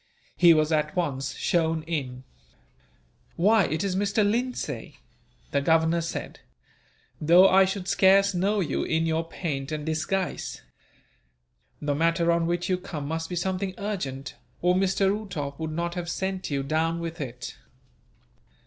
He was at once shown in. "Why, it is Mr. Lindsay!" the Governor said, "though I should scarce know you, in your paint and disguise. The matter on which you come must be something urgent, or Mr. Uhtoff would not have sent you down with it."